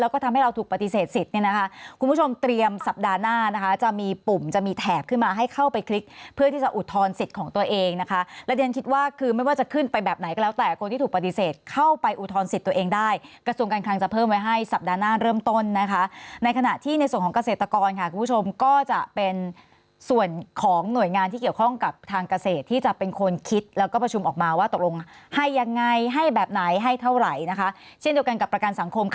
คุณผู้ชมเตรียมสัปดาห์หน้านะคะจะมีปุ่มจะมีแถบขึ้นมาให้เข้าไปคลิกเพื่อที่จะอุทธรณสิทธิ์ของตัวเองนะคะและเรียนคิดว่าคือไม่ว่าจะขึ้นไปแบบไหนก็แล้วแต่คนที่ถูกปฏิเสธเข้าไปอุทธรณสิทธิ์ตัวเองได้กระทรวงการคลังจะเพิ่มไว้ให้สัปดาห์หน้าเริ่มต้นนะคะในขณะที่ในส่วนของเกษตรกรค่